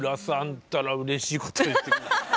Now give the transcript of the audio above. ったらうれしいこと言ってくれる。